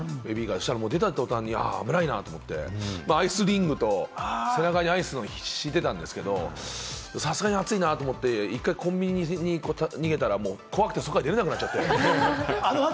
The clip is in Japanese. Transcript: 出た途端に、やっぱ危ないなと思って、アイスリングと、背中に入れたんですけれども、さすがに暑いなと思って、１回、コンビニに逃げたら怖くて、そこからもう出られなくなっちゃって。